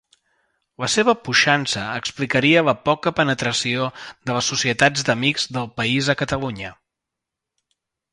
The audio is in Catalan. La seva puixança explicaria la poca penetració de les Societats d'Amics del País a Catalunya.